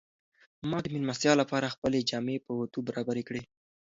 ما د مېلمستیا لپاره خپلې جامې په اوتو برابرې کړې.